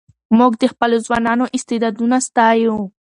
موږ د خپلو ځوانانو استعدادونه ستایو.